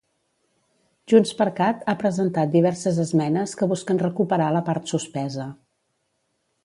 JxCat ha presentat diverses esmenes que busquen recuperar la part suspesa.